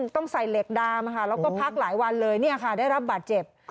ต้องใส่เหล็กดามแล้วก็พักหลายวันเลยได้รับบาดเจ็บ